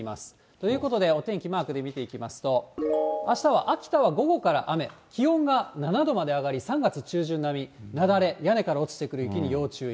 ということで、お天気マークで見てまいりますと、あしたは秋田は午後から雨、気温が７度まで上がり３月中旬並み、雪崩、屋根から落ちてくる雪に要注意。